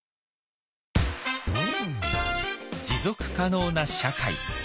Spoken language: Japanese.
持続可能な社会